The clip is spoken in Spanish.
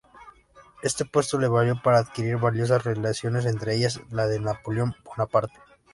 Este puesto le valió para adquirir valiosas relaciones, entre ellas la de Napoleón Bonaparte.